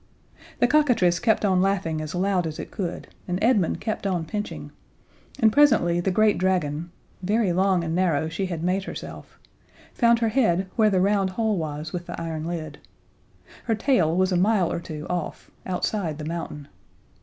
The cockatrice kept on laughing as loud as it could, and Edmund kept on pinching, and presently the great dragon very long and narrow she had made herself found her head where the round hole was with the iron lid. Her tail was a mile or two off outside the mountain.